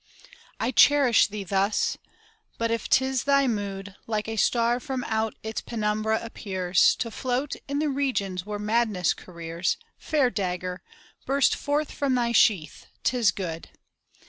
I cherish thee thus! But if 'tis thy mood, Like a star that from out its penumbra appears, To float in the regions where madness careers, Fair dagger! burst forth from thy sheath! 'tis good.